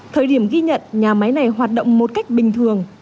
thời điểm ghi nhận nhà máy này hoạt động một cách bình thường